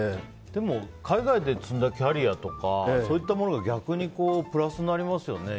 でも、海外で積んだキャリアとかそういったものが逆に、プラスになりますよね。